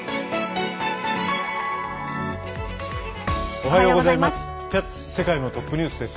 おはようございます。